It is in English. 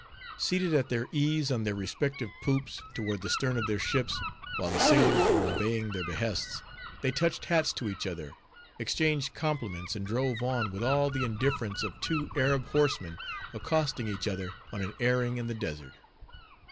Seated at their ease on their respective "poops" toward the stern of their ships, while the sailors were obeying their behests; they touched hats to each other, exchanged compliments, and drove on, with all the indifference of two Arab horsemen accosting each other on an airing in the Desert.